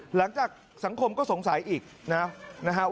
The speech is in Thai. หลังจากสังคมก็สงสัยอีกนะครับ